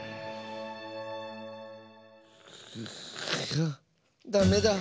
ぐダメだ。